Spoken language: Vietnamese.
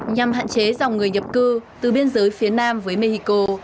nhằm hạn chế dòng người nhập cư từ biên giới phía nam với mexico